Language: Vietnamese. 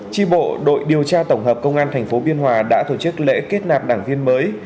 tri bộ đội điều tra tổng hợp công an tp biên hòa đã tổ chức lễ kết nạp đảng viên mới